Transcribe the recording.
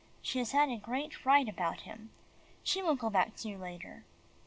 She has had a great fright about him. She will go back to you later."